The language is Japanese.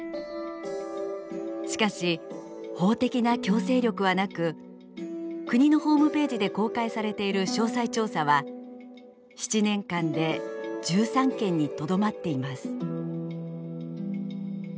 しかし法的な強制力はなく国のホームページで公開されている詳細調査は７年間で１３件にとどまっています。